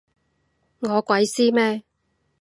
我鬼知咩？